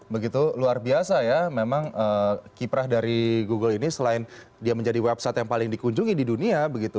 begitu luar biasa ya memang kiprah dari google ini selain dia menjadi website yang paling dikunjungi di dunia begitu